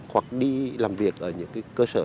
hoặc đi làm việc ở những cơ sở này